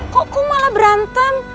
kok malah berantem